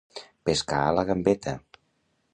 Pescar a la gambeta.